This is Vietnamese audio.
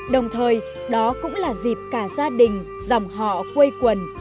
đồng thời đó cũng là dịp cả gia đình dòng họ quê quốc